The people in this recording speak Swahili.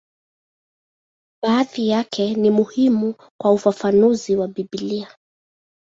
Baadhi yake ni muhimu kwa ufafanuzi wa Biblia.